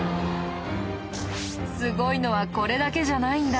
すごいのはこれだけじゃないんだ。